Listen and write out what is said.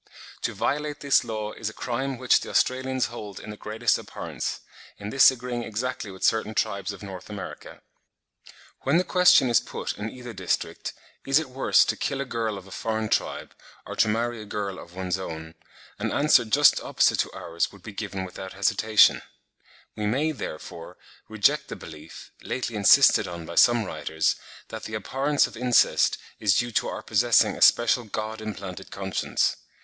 "To violate this law is a crime which the Australians hold in the greatest abhorrence, in this agreeing exactly with certain tribes of North America. When the question is put in either district, is it worse to kill a girl of a foreign tribe, or to marry a girl of one's own, an answer just opposite to ours would be given without hesitation." (29. E.B. Tylor, in 'Contemporary Review,' April 1873, p. 707.) We may, therefore, reject the belief, lately insisted on by some writers, that the abhorrence of incest is due to our possessing a special God implanted conscience.